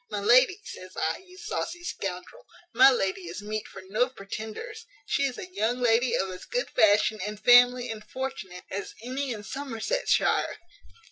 My lady! says I, you saucy scoundrel; my lady is meat for no pretenders. She is a young lady of as good fashion, and family, and fortune, as any in Somersetshire.